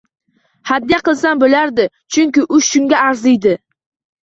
Hadya qilsam bo‘lardi, chunki u shunga arziydi.